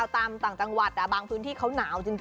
ตามต่างจังหวัดบางพื้นที่เขาหนาวจริง